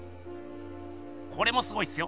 これもすごいっすよ！